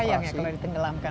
sayang ya kalau ditenggelamkan